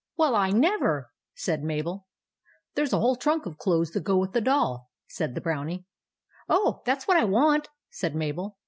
"Well, I never!" said Mabel. " There 's a whole trunk of clothes that go with the Doll," said the Brownie. "Oh, that's what I want," said Mabel.